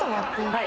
はい。